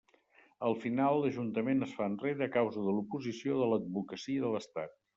Al final l'ajuntament es fa enrere a causa de l'oposició de l'advocacia de l'estat.